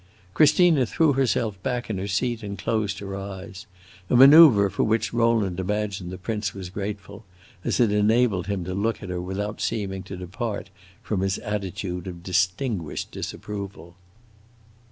Christina threw herself back in her seat and closed her eyes; a manoeuvre for which Rowland imagined the prince was grateful, as it enabled him to look at her without seeming to depart from his attitude of distinguished disapproval.